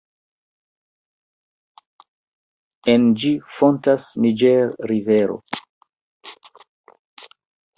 En ĝi fontas Niĝer-rivero.